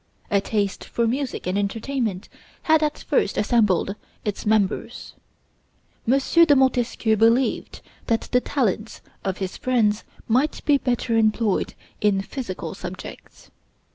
A taste for music and entertainment had at first assembled its members. M. de Montesquieu believed that the talents of his friends might be better employed in physical subjects.